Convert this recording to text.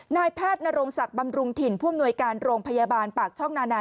นายแพทย์นรงศักดิ์บำรุงถิ่นผู้อำนวยการโรงพยาบาลปากช่องนานา